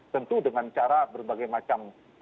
tentu dengan cara berbagai macam